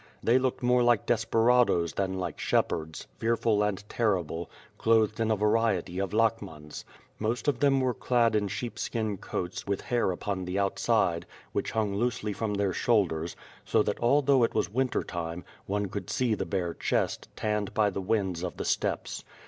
They looked more like desperados than like shepherds, fearful and terrible, clothed in a variety of lakhmans. Most of them were clad in sheepskin coats, with hair upon the outside, which hung loosely from their shoul ders, so that although it was winter time, one could see the bare chest, tanned by the winds of the steppes.